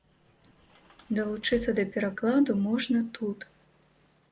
Далучыцца да перакладу можна тут.